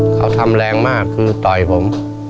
เขาทำแรงมากคือต่อยผม